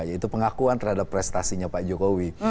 yaitu pengakuan terhadap prestasinya pak jokowi